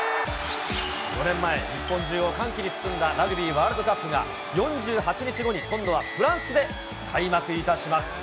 ４年前、日本中を歓喜に包んだラグビーワールドカップが、４８日後に今度はフランスで開幕いたします。